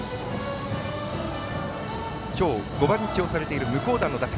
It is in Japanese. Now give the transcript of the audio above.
今日、５番に起用されている向段の打席。